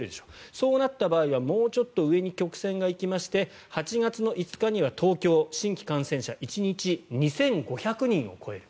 そうなった場合はもうちょっと上に曲線が行きまして８月の５日は東京、新規感染者１日２５００人を超える。